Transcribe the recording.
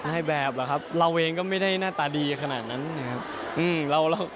ในแบบหรอกครับเราเองก็ไม่ได้หน้าตาดีขนาดนั้นนะครับ